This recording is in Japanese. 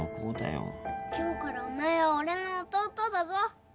今日からお前は俺の弟だぞ